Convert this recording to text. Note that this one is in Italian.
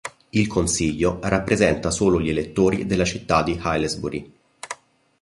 Il consiglio rappresenta solo gli elettori della città di Aylesbury.